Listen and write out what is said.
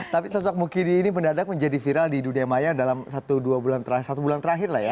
tapi sosok mukidi ini mendadak menjadi viral di dunia maya dalam satu dua bulan terakhir satu bulan terakhir lah ya